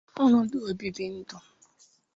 ọnọdụ obibi ndụ